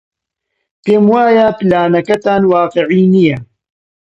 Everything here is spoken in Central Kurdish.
پێم وایە پلانەکەتان واقیعی نییە.